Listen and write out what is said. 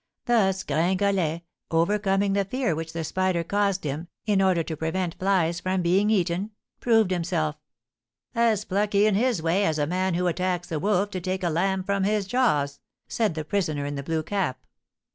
Thus Gringalet, overcoming the fear which the spider caused him, in order to prevent flies from being eaten, proved himself " "As plucky in his way as a man who attacks a wolf to take a lamb from his jaws," said the prisoner in the blue cap.